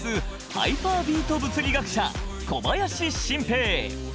ハイパービート物理学者小林晋平。